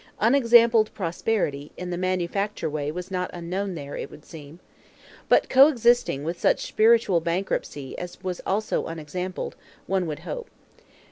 "Unexampled prosperity" in the manufacture way not unknown there, it would seem! But co existing with such spiritual bankruptcy as was also unexampled, one would hope.